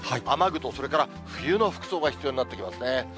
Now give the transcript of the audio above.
雨具とそれから冬の服装が必要になってきますね。